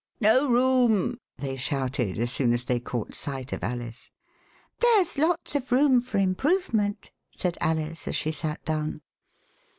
No room !" they shouted, as soon as they caught sight of Alice. There's lots of room for improvement," said Alice, as she sat down.